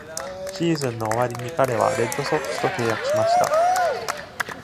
シーズンの終わりに彼はレッドソックスと契約しました。